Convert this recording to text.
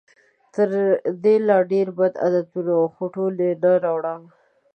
تر دې لا ډېر بد عادتونه وو، خو ټول یې نه راوړم.